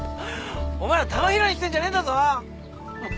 お前ら球拾いに来てんじゃねえんだぞもう。